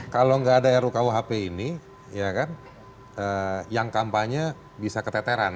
kalau gak ada ruk whp ini ya kan yang kampanye bisa keteteran